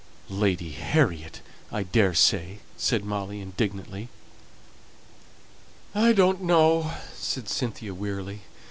"Lady Harriet! I daresay," said Molly, indignantly. "I don't know," said Cynthia, wearily.